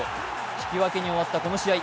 引き分けに終わったこの試合、